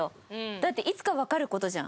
だっていつかわかる事じゃん。